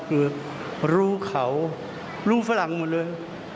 คือรู้เขารู้ฝรั่งหมดเลย